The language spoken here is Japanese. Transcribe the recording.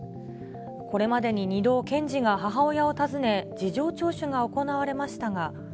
これまでに２度、検事が母親を訪ね、事情聴取が行われましたが。